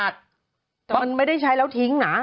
แต่มันไม่ได้ใช้แล้วทิ้งอ่า